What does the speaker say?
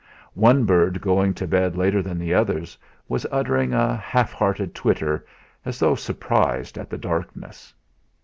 One bird going to bed later than the others was uttering a half hearted twitter, as though surprised at the darkness.